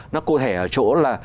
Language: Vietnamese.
nó cụ thể ở chỗ là